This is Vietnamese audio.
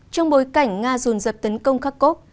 trong bối cảnh nga dồn dập tấn công kharkov